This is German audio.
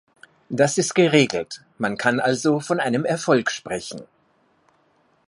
Das ist geregelt, man kann also von einem Erfolg sprechen.